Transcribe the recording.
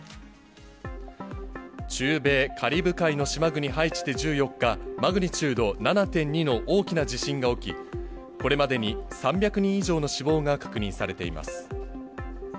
中米カリブ海の島国ハイチで１４日、マグニチュード７．２の大きな地震が起き、これまでに３００人以上の死亡が確認されています。